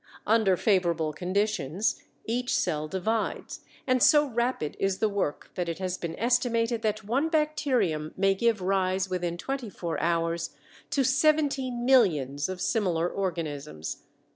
Under favorable conditions each cell divides, and so rapid is the work that it has been estimated that one bacterium may give rise, within twenty four hours, to seventeen millions of similar organisms.